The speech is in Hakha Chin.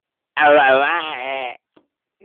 A aw a kua.